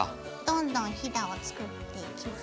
どんどんヒダを作っていきます。